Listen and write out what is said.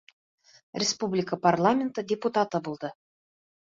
Республика парламенты депутаты булды.